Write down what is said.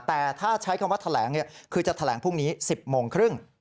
แต่ถ้าใช้คำว่าแถลงคือจะแถลงพรุ่งนี้๑๐โมงครึ่ง